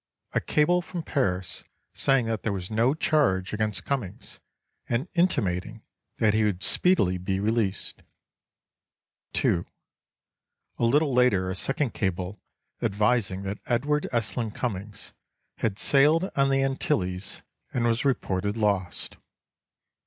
A cable from Paris saying that there was no charge against Cummings and intimating that he would speedily be released. ii. A little later a second cable advising that Edward Estlin Cummings had sailed on the Antilles and was reported lost.